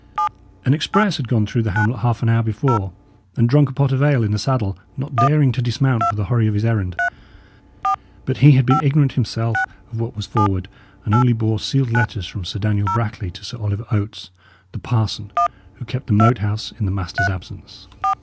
An express had gone through the hamlet half an hour before, and drunk a pot of ale in the saddle, not daring to dismount for the hurry of his errand; but he had been ignorant himself of what was forward, and only bore sealed letters from Sir Daniel Brackley to Sir Oliver Oates, the parson, who kept the Moat House in the master's absence.